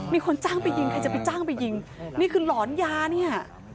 มีคนจ้างไปยิงใครจะไปจ้างไปยิงนี่คือหลอนยาเนี่ย